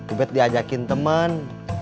ubed diajakin temen